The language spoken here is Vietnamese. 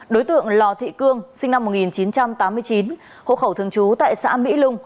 đối tượng lò thị cương sinh năm một nghìn chín trăm tám mươi chín hộ khẩu thường trú tại xã mỹ lung